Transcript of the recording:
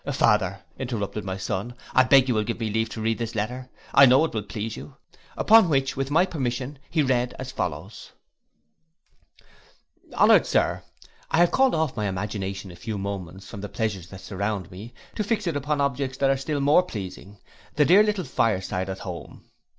'—'Father,' interrupted my son, 'I beg you will give me leave to read this letter, I know it will please you.' Upon which, with my permission, he read as follows:— Honoured Sir, I have called off my imagination a few moments from the pleasures that surround me, to fix it upon objects that are still more pleasing, the dear little fire side at home.